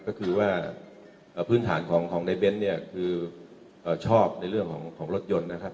ก็คือว่าพื้นฐานของในเบ้นเนี่ยคือชอบในเรื่องของรถยนต์นะครับ